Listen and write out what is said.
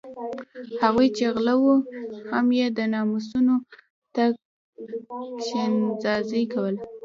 هغوی چې غله وو هم یې ناموسونو ته کستاخي نه کوله.